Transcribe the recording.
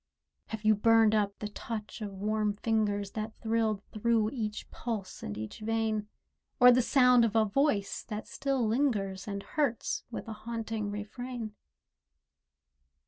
Have you burned up the touch of warm fingers That thrilled through each pulse and each vein, Or the sound of a voice that still lingers And hurts with a haunting refrain?